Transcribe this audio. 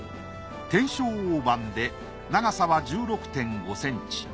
天正大判で長さは１６．５ｃｍ。